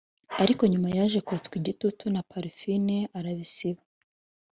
ariko nyuma yaje kotswa igitutu na Parfine arabisiba